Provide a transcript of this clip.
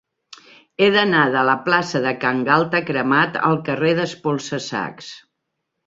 He d'anar de la plaça de Can Galta Cremat al carrer d'Espolsa-sacs.